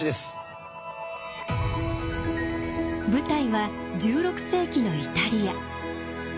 舞台は１６世紀のイタリア。